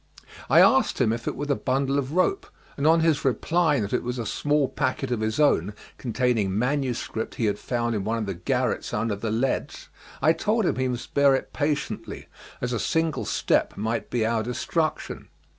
I asked him if it were the bundle of rope, and on his replying that it was a small packet of his own containing manuscript he had found in one of the garrets under the Leads, I told him he must bear it patiently, as a single step might be our destruction.